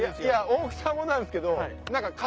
大きさもなんですけど。